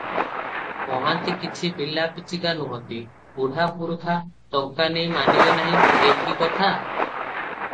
ମହାନ୍ତି କିଛି ପିଲାପିଚିକା ନୁହନ୍ତି, ବୁଢ଼ା ପୁରୁଖା, ଟଙ୍କା ନେଇ ମାନିବେ ନାହିଁ, ଏ କି କଥା?